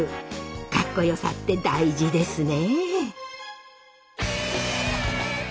かっこよさって大事ですね！